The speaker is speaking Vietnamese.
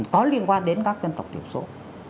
có liên quan đến các dân tộc thiểu số